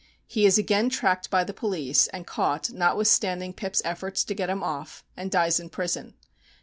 He is again tracked by the police, and caught, notwithstanding Pip's efforts to get him off, and dies in prison.